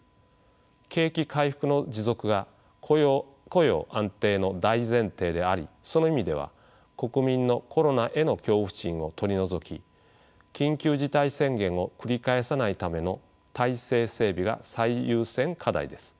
景気回復の持続が雇用安定の大前提でありその意味では国民のコロナへの恐怖心を取り除き緊急事態宣言を繰り返さないための体制整備が最優先課題です。